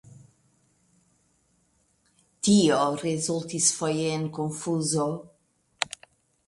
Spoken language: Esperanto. Tio rezultis foje en konfuzo.